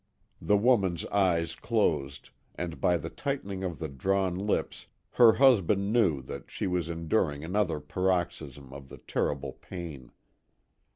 The woman's eyes closed, and by the tightening of the drawn lips her husband knew that she was enduring another paroxysm of the terrible pain.